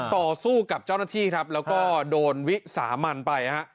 ต่อสู้กับเจ้าหน้าที่ครับแล้วก็โดนวิสามันไปฮะ